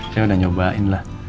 saya udah nyobain lah